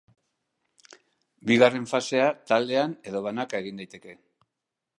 Bigarren fasea taldean edo banaka egin daiteke.